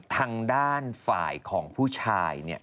ทางด้านฝ่ายของผู้ชายเนี่ย